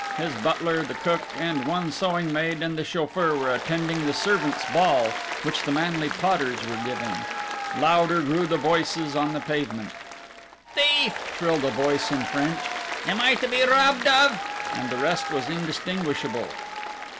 His butler, the cook, and one sewing maid and the chauffeur were attending the servants' ball which the Manley Potters were giving. Louder grew the voices on the pavement. "Thief!" shrilled a voice in French, "Am I to be robbed of " and the rest was indistinguishable.